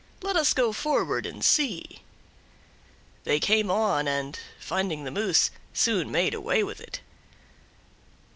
Let us go forward and see." They came on and, finding the moose soon made away with it.